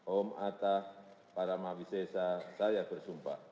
om atta paramahwisesa saya bersumpah